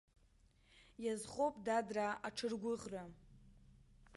Иазхоуп, дадраа, аҽыргәыӷра!